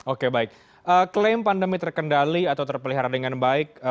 oke baik klaim pandemi terkendali atau terpelihara dengan baik